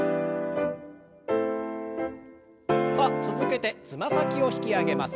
さあ続けてつま先を引き上げます。